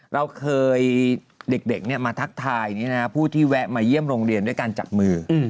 เราเคยเด็กมาทักทายผู้ที่แวะมาเยี่ยมโรงเรียนด้วยการจับมือ